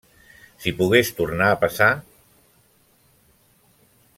-Si pogués tornar a passar…